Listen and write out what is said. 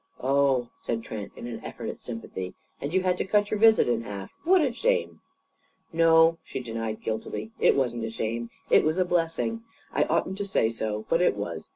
"Oh!" said Trent, in an effort at sympathy. "And you had to cut your visit in half? What a shame!" "No," she denied guiltily, "it wasn't a shame. It was a blessing. I oughtn't to say so, but it was.